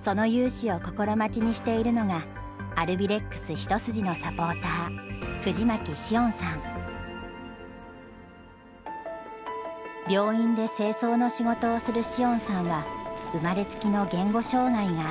その雄姿を心待ちにしているのがアルビレックス一筋のサポーター病院で清掃の仕事をする詩音さんは生まれつきの言語障害がある。